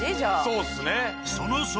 そうっすね。